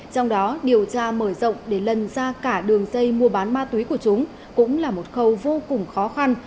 trong đó điều tra mở rộng để lần ra cả đường dây mua bán ma túy của chúng cũng là một khâu vô cùng khó khăn